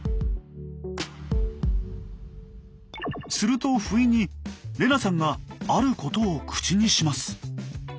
すると不意に玲那さんがあることを口にします。